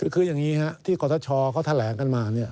คืออย่างนี้ที่กรทชเขาแถลงกันมาเนี่ย